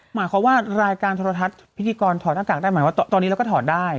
หมายความว่ารายการโทรทัศน์พิธีกรถอดหน้ากากได้หมายว่าตอนนี้เราก็ถอดได้